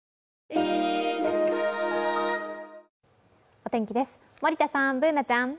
お天気です、森田さん、Ｂｏｏｎａちゃん。